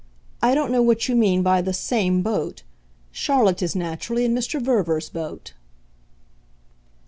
I don't know what you mean by the 'same' boat. Charlotte is naturally in Mr. Verver's boat."